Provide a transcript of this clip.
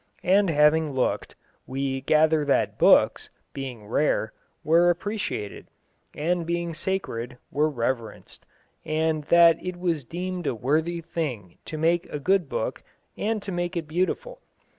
And having looked, we gather that books, being rare, were appreciated; and being sacred, were reverenced; and that it was deemed a worthy thing to make a good book and to make it beautiful.